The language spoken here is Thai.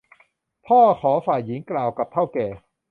พ่อขอฝ่ายหญิงกล่าวกับเถ้าแก่